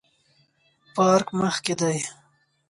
پارک مخ کې دی